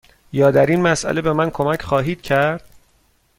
یا در این مسأله به من کمک خواهید کرد؟